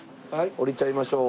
降りちゃいましょう。